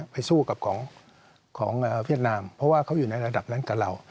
ไปสู้กับของเวียดนามเพราะว่าเขาอยู่ในระดับนั้นกับเรา